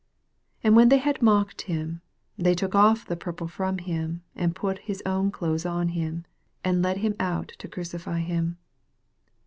20 And when they had mocked him, they took off the purple from him, and put his own clothes on him, and led him out to cruelty him.